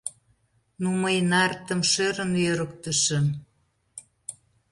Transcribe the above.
Ну, мый нартым шӧрын йӧрыктышым.